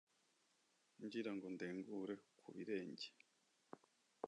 ngira ngo ndengure ku birenge.